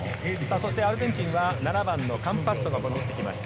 そしてアルゼンチンは７番のカンパッソが入りました。